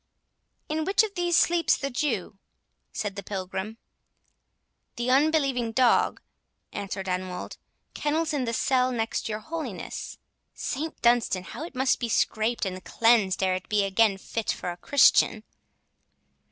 "In which of these sleeps the Jew?" said the Pilgrim. "The unbelieving dog," answered Anwold, "kennels in the cell next your holiness.—St Dunstan, how it must be scraped and cleansed ere it be again fit for a Christian!"